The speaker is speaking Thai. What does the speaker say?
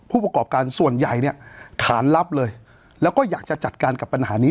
ผู้ประกอบการส่วนใหญ่เนี่ยฐานลับเลยแล้วก็อยากจะจัดการกับปัญหานี้